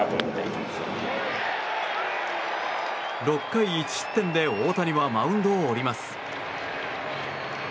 ６回１失点で大谷はマウンドを降ります。